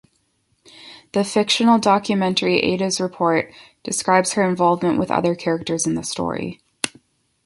The fictional documentary "Ada's Report" describes her involvement with other characters in the story.